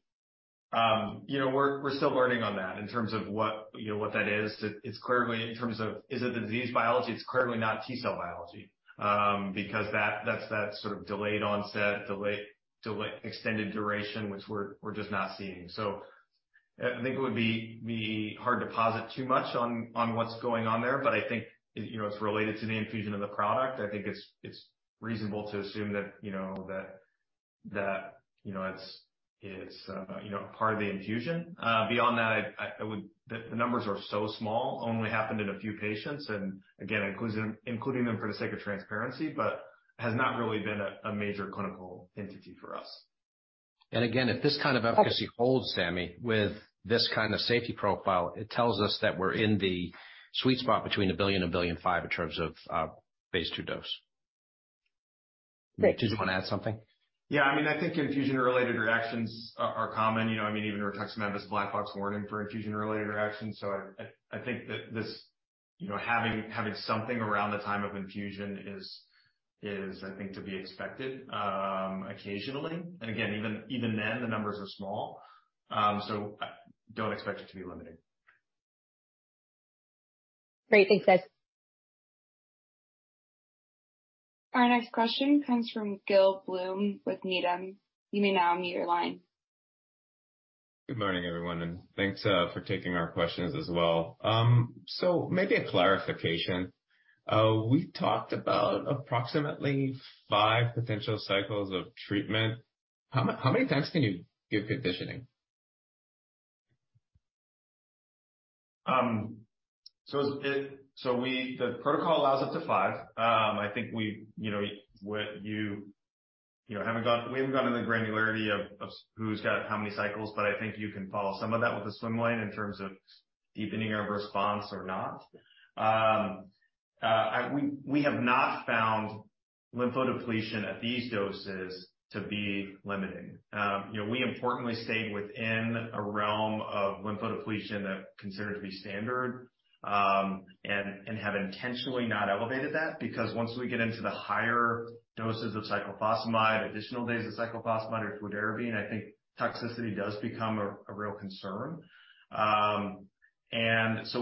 we're still learning on that in terms of what that is. It's clearly in terms of is it the disease biology? It's clearly not T-cell biology, because that's that sort of delayed onset, delayed extended duration, which we're just not seeing. I think it would be hard to posit too much on what's going on there, but I think it's related to the infusion of the product. I think it's reasonable to assume that it's part of the infusion. Beyond that, I would... The numbers are so small, only happened in a few patients, and again, including them for the sake of transparency, but has not really been a major clinical entity for us. Again, if this kind of efficacy holds, Sami, with this kind of safety profile, it tells us that we're in the sweet spot between $1 billion and $1.5 billion in terms of phase 2 dose. Great. Dave you wanna add something? Yeah. I mean, I think infusion-related reactions are common. You know, I mean, even rituximab has a black box warning for infusion-related reactions. I think that this... You know, having something around the time of infusion is, I think to be expected, occasionally. Again, even then, the numbers are small. I don't expect it to be limiting. Great. Thanks, guys. Our next question comes from Gil Blum with Needham. You may now unmute your line. Good morning, everyone, thanks for taking our questions as well. Maybe a clarification. We talked about approximately 5 potential cycles of treatment. How many times can you give conditioning? The protocol allows up to five. I think we, you know, we haven't gone into the granularity of who's got how many cycles, but I think you can follow some of that with the swim line in terms of deepening of response or not. I, we have not found lymphodepletion at these doses to be limiting. We importantly stay within a realm of lymphodepletion that considered to be standard, and have intentionally not elevated that because once we get into the higher doses of cyclophosphamide, additional days of cyclophosphamide or fludarabine, I think toxicity does become a real concern.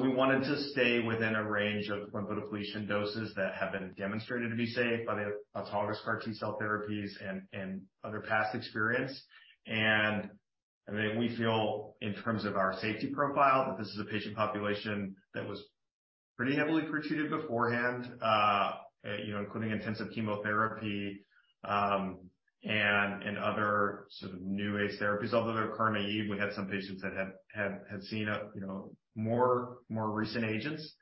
We wanted to stay within a range of lymphodepletion doses that have been demonstrated to be safe by the autologous CAR T-cell therapies and other past experience. I mean, we feel in terms of our safety profile, that this is a patient population that was pretty heavily pre-treated beforehand, you know, including intensive chemotherapy and other sort of new age therapies. Although they're CAR T-naive, we had some patients that had seen a, you know, more recent agents.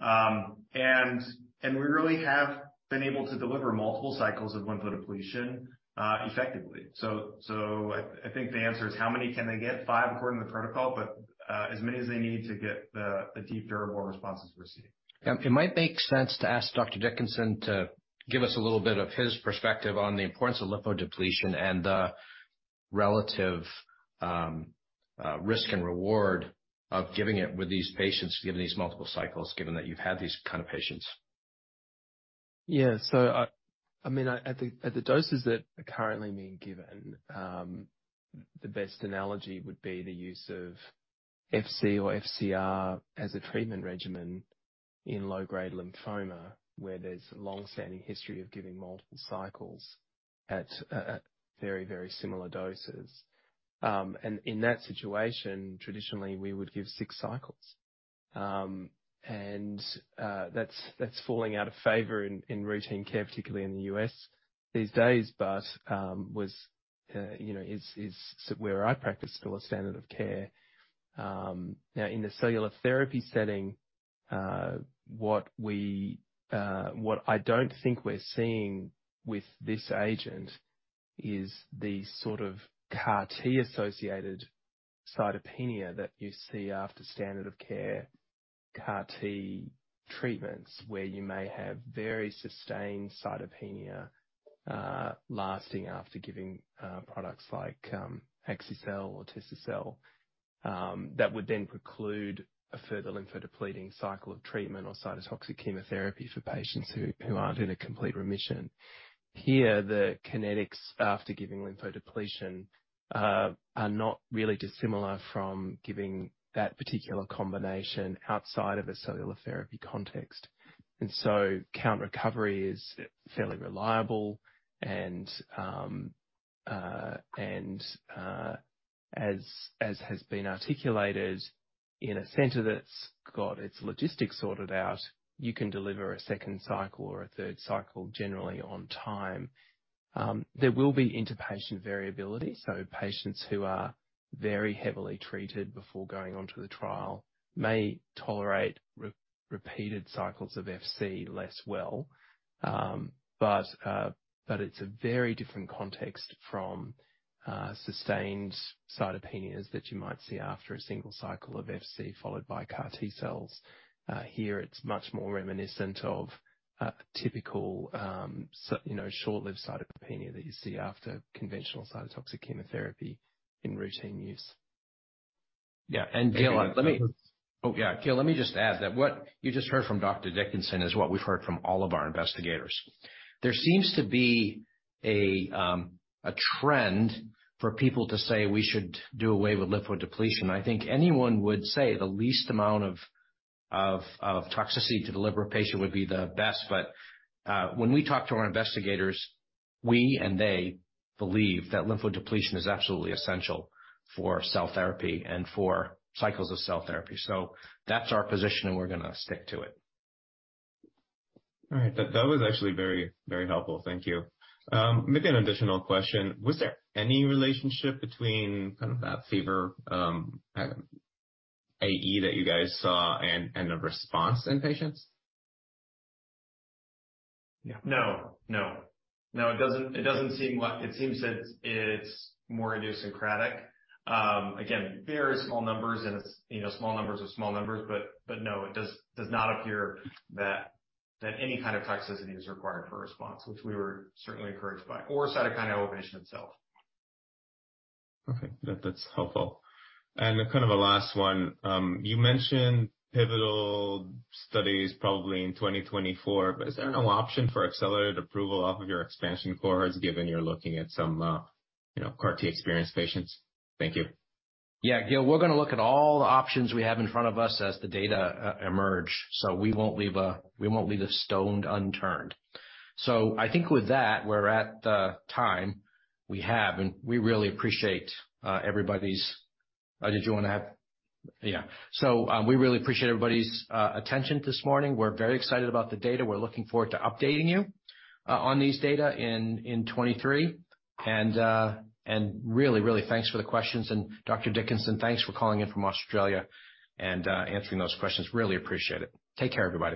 We really have been able to deliver multiple cycles of lymphodepletion effectively. I think the answer is how many can they get? 5 according to the protocol, but as many as they need to get the deep durable responses we're seeing. It might make sense to ask Dr. Dickinson to give us a little bit of his perspective on the importance of lymphodepletion and the relative risk and reward of giving it with these patients, given these multiple cycles, given that you've had these kind of patients. I mean, at the doses that are currently being given, the best analogy would be the use of FC or FCR as a treatment regimen in low-grade lymphoma, where there's a long-standing history of giving multiple cycles at very, very similar doses. In that situation, traditionally we would give 6 cycles. That's, that's falling out of favor in routine care, particularly in the US these days, but, you know is where I practice still a standard of care. Now in the cellular therapy setting, what I don't think we're seeing with this agent is the sort of CAR T associated cytopenia that you see after standard of care CAR T treatments, where you may have very sustained cytopenia lasting after giving products like axi-cel or tisi-cel, that would then preclude a further lymphodepleting cycle of treatment or cytotoxic chemotherapy for patients who aren't in a complete remission. Here, the kinetics after giving lymphodepletion are not really dissimilar from giving that particular combination outside of a cellular therapy context. Count recovery is fairly reliable and as has been articulated in a center that's got its logistics sorted out, you can deliver a second cycle or a third cycle generally on time. There will be inter-patient variability, so patients who are very heavily treated before going onto the trial may tolerate repeated cycles of FC less well. It's a very different context from sustained cytopenias that you might see after a single cycle of FC followed by CAR T-cells. Here it's much more reminiscent of a typical, you know, short-lived cytopenia that you see after conventional cytotoxic chemotherapy in routine use. Yeah. Gil, let me just add that what you just heard from Dr. Dickinson is what we've heard from all of our investigators. There seems to be a trend for people to say we should do away with lymphodepletion. I think anyone would say the least amount of toxicity to deliver a patient would be the best. When we talk to our investigators, we and they believe that lymphodepletion is absolutely essential for cell therapy and for cycles of cell therapy. That's our position, and we're gonna stick to it. All right. That was actually very, very helpful. Thank you. Maybe an additional question. Was there any relationship between kind of that fever, AE that you guys saw and a response in patients? No. No, it doesn't seem like. It seems it's more idiosyncratic. Again, very small numbers and it's, you know, small numbers of small numbers. No, it does not appear that any kind of toxicity is required for a response, which we were certainly encouraged by or cytokine elevation itself. Okay. That's helpful. Kind of a last one. You mentioned pivotal studies probably in 2024, but is there no option for accelerated approval off of your expansion cohorts given you're looking at some, you know, CAR T experienced patients? Thank you. Yeah. Gil, we're gonna look at all the options we have in front of us as the data emerge. We won't leave a stone unturned. I think with that, we're at the time we have, and we really appreciate everybody's. Did you wanna add? Yeah. We really appreciate everybody's attention this morning. We're very excited about the data. We're looking forward to updating you on these data in 2023. Really, really thanks for the questions. Dr. Dickinson, thanks for calling in from Australia and answering those questions. Really appreciate it. Take care, everybody.